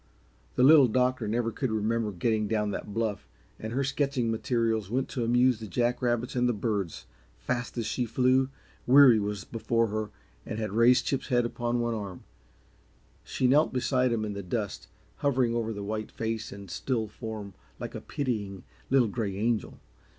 The Little Doctor never could remember getting down that bluff, and her sketching materials went to amuse the jack rabbits and the birds. Fast as she flew, Weary was before her and had raised Chip's head upon one arm. She knelt beside him in the dust, hovering over the white face and still form like a pitying, little gray angel.